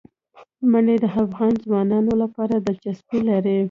منی د افغان ځوانانو لپاره دلچسپي لري.